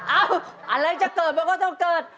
อะไรจะเกิดมันก็ต้องเกิด